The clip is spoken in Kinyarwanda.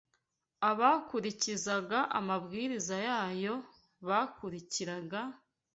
Abakurikizaga amabwiriza yayo bakurikiraga